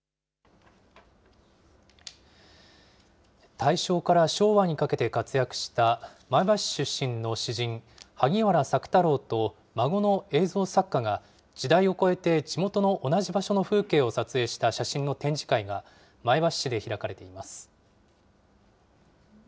大正から昭和にかけて活躍した前橋市出身の詩人、萩原朔太郎と孫の映像作家が、時代を超えて地元の同じ場所の風景を撮影した写真の展示会が、前橋市で開かれています。